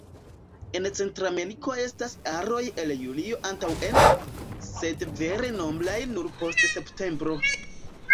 En Centrameriko estas aroj el julio antaŭen, sed vere nombraj nur post septembro.